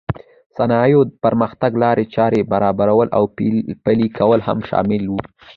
د صنایعو پرمختګ لارې چارې برابرول او پلې کول هم شامل و.